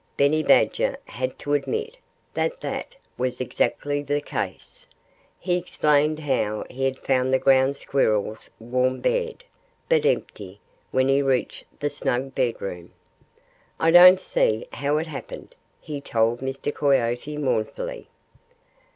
Benny Badger had to admit that that was exactly the case. He explained how he had found the Ground Squirrel's bed warm, but empty, when he reached the snug bedroom. "I don't see how it happened," he told Mr. Coyote mournfully.